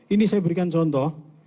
ini saya berikan contoh